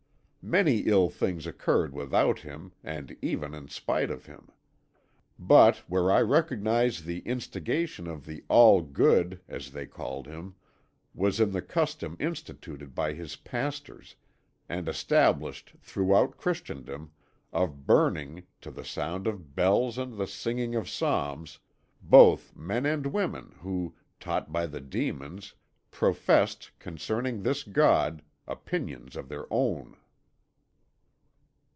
Many ill things occurred without him and even in spite of him. But where I recognise the instigation of the All Good (as they called him) was in the custom instituted by his pastors, and established throughout Christendom, of burning, to the sound of bells and the singing of psalms, both men and women who, taught by the demons, professed, concerning this God, opinions of their own."